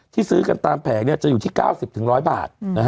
ซื้อกันตามแผงจะอยู่ที่๙๐๑๐๐บาท